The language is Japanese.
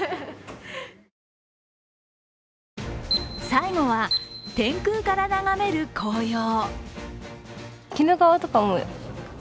最後は、天空から眺める紅葉。